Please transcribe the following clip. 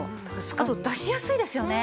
あと出しやすいですよね。